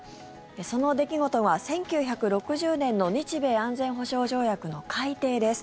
その出来事は１９６０年の日米安全保障条約の改定です。